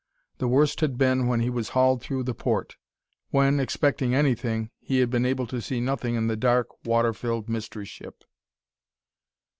The worst had been when he was hauled through the port; when, expecting anything, he had been able to see nothing in the dark, water filled mystery ship.